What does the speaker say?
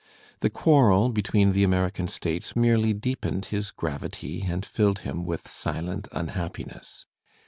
The quarrel between the American states merely deepened his gravity and filled him with silent unhappiness.